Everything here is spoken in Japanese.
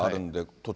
土地